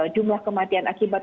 jumlah kematian akibat